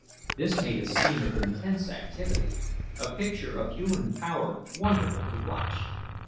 This made a scene of intense activity, a picture of human power wonderful to watch.